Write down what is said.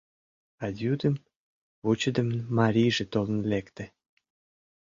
А йӱдым вучыдымын марийже толын лекте...